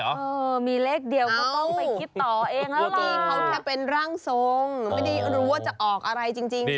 เออมีเลขเดียวก็ต้องไปคิดต่อเองแล้วล่ะ